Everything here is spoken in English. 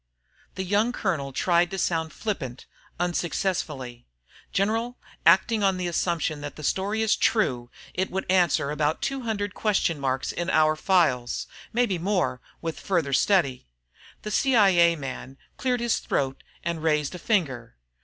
The young colonel tried to sound flippant, unsuccessfully. "General, acting on the assumption the story is true, it would answer about two hundred question marks in our files. Maybe more, with further study." The C.I.A. man cleared his throat and raised a finger.